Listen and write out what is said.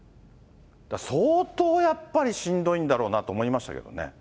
だから相当やっぱりしんどいんだろうなと思いましたけどね。